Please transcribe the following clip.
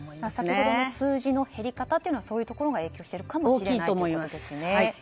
先ほど数字の減り方というのはそういうところが影響しているかもしれないということですね。